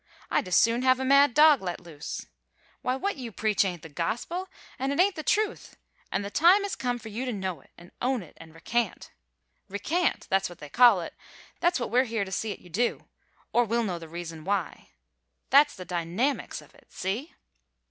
I'd as soon have a mad dog let loose. Why, what you preach ain't the gospel, an' it ain't the truth, and the time has come for you to know it, an' own it and recant. Recant! That's what they call it. That's what we're here to see 't you do, or we'll know the reason why. That's the dynamics of it. See?"